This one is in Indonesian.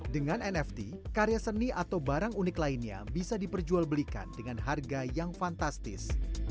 dengan nft karya seni atau barang unik lainnya bisa diperjualbelikan dengan harga yang fantastis